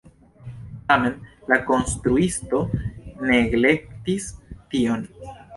Tamen la konstruisto neglektis tion.